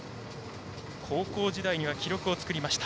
高校時代には記録を作りました。